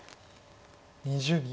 ２０秒。